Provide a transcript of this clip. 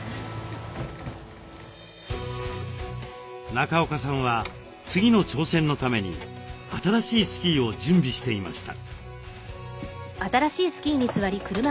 中岡さんは次の挑戦のために新しいスキーを準備していました。